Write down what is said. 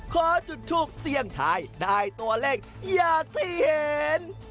ขอจุดทูปเสี่ยงทายได้ตัวเลขอย่างที่เห็น